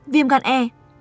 viêm gan e